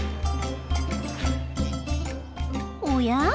おや？